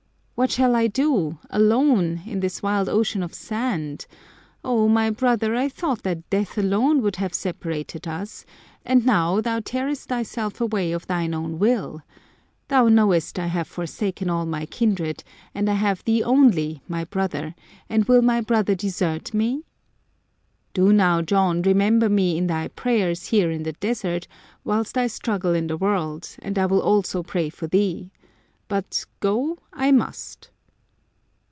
" What shall I do, alone, in this wild ocean of sand ? O my brother, I thought that death alone would have separated us, and now thou tearest thyself away of thine own will. Thou knowest I have forsaken all my kindred, and I have thee only, my brother, and will my brother desert me ?"" Do thou, John, remember me in thy prayers here in the desert, whilst I struggle in the world ; and I will also pray for thee. But go I must."